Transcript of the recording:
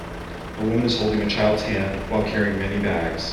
A woman is holding a child 's hand while carrying many bags.